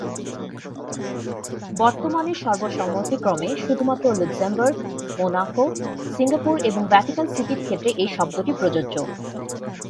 বর্তমানে সর্বসম্মতিক্রমে শুধুমাত্র লুক্সেমবুর্গ, মোনাকো, সিঙ্গাপুর এবং ভ্যাটিকান সিটির ক্ষেত্রে এই শব্দটি প্রযোজ্য।